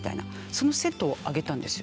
そのセットをあげたんですよ。